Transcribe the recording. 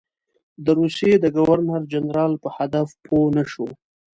د روسیې د ګورنر جنرال په هدف پوه نه شو.